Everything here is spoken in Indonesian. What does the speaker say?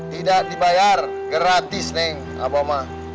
tidak dibayar gratis neng abah mah